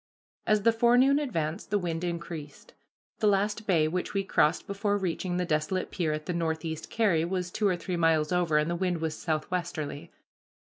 As the forenoon advanced the wind increased. The last bay which we crossed before reaching the desolate pier at the Northeast Carry, was two or three miles over, and the wind was southwesterly.